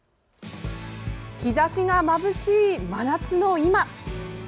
日ざしがまぶしい真夏の今。